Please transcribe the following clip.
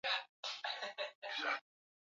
Mwimbo yangu itatoka leo